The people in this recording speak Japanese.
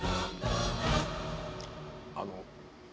あの。